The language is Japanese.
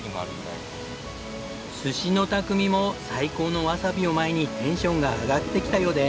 寿司の匠も最高のわさびを前にテンションが上がってきたようで。